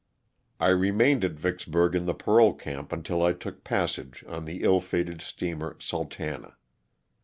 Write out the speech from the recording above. I remained at Vicksburg in the parole camp until I took passage on the ill fated steamer ''Sultana."